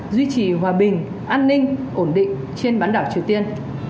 duy trì hòa bình an ninh ổn định trên bán đảo triều tiên